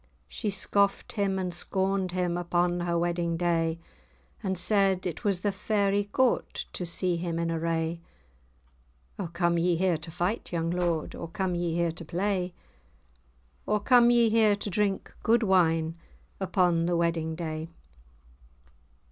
She scoffed him, and scorned him, Upon her wedding day; And said, "It was the Fairy Court, To see him in array! "O come ye here to fight, young lord, Or come ye here to play? Or come ye here to drink good wine, Upon the wedding day?"